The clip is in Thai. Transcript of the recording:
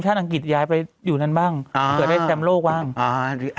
ถ้าอังกฤษย้ายไปอยู่นั้นบ้างเกิดได้แชมป์โลกบ้าง